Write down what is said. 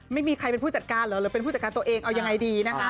ไม่มีใครเป็นผู้จัดการเหรอ